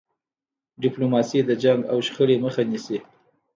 ډيپلوماسي د جنګ او شخړې مخه نیسي.